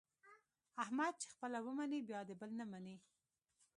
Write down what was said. احمد چې خپله و مني بیا د بل نه مني.